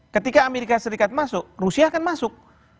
ketika amerika serikat masuk rusia akan masuk